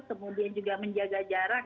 kemudian juga menjaga jarak